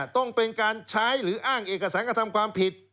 ต้องเป็นการใช้หรืออ้างเอกสารกระทำความผิด